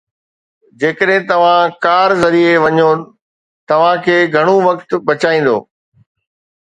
جيڪڏهن توهان ڪار ذريعي وڃو، توهان کي گهڻو وقت بچائيندو.